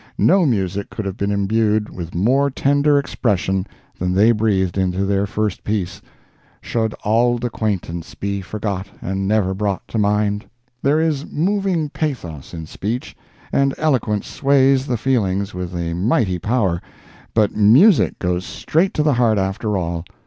No music could have been imbued with more tender expression than they breathed into their first piece: "Should auld acquaintance be forgot, And never brought to mind?" There is moving pathos in speech and eloquence sways the feelings with a mighty power, but music goes straight to the heart after all.